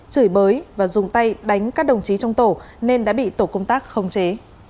chửi bới và dùng tay đánh các đồng chí trong tổ nên đã bị tổ công tác khống chế